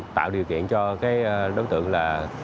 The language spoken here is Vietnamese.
tạo điều kiện cho cái đối tượng là